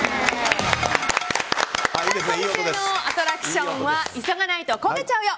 今週のアトラクションは急がないと焦げちゃうよ！